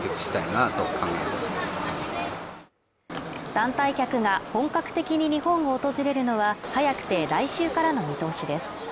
団体客が本格的に日本を訪れるのは早くて来週からの見通しです